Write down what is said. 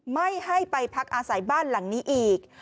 ไม่ให้ไปพักอาศัยบ้านหลังนี้อีก